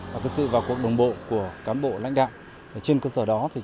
và sự vào cuộc đồng bộ của cán bộ lãnh đạo trong việc tuyên truyền rộng rãi đến cho người dân